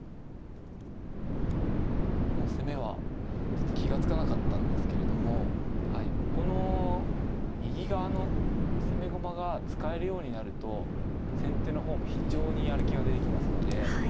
この攻めはちょっと気が付かなかったんですけれどもここの右側の攻め駒が使えるようになると先手の方も非常にやる気が出てきますので。